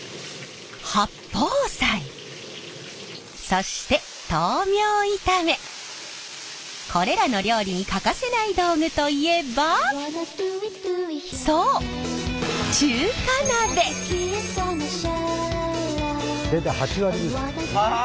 そしてこれらの料理に欠かせない道具といえばそう８割！？